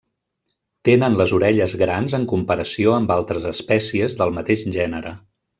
Tenen les orelles grans en comparació amb altres espècies del mateix gènere.